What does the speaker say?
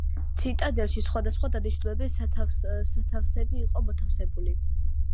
ციტადელში სხვადასხვა დანიშნულების სათავსები იყო მოთავსებული.